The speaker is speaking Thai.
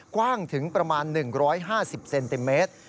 กว้างถึงประมาณ๑๕๐เซนติเมตร